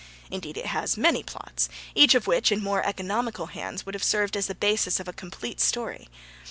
Indeed, it has many plots, each of which, in more economical hands, would have served as the basis of a complete story.